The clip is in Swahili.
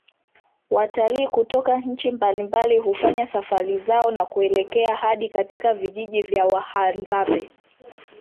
Watalii kutoka nchi mbalimbali hufanya safari zao na kuelekea hadi katika vijiji vya wahadzabe